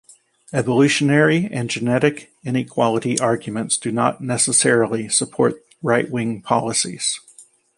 Evolutionary and genetic inequality arguments do not necessarily support right-wing policies.